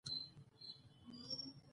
ځوانان د بېکاری د ستونزي سره مخ دي.